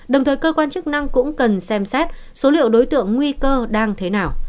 đồng thời cơ quan chức năng cũng cần xem xét số liệu đối tượng nguy cơ đang thế nào